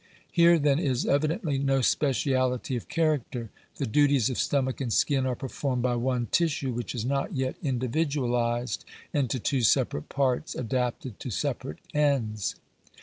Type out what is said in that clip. Here, then, is evidently no speciality of character ; the duties of stomach and skin are performed by one tissue, which is not yet individualized into two separate parts, adapted to separate ends.